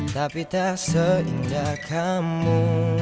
tapi tak seindah kamu